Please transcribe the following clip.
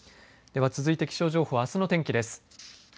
では続いて気象情報あすの天気です。